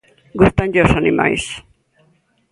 Gústanlle os animais.